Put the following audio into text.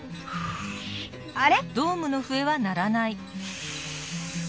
あれ？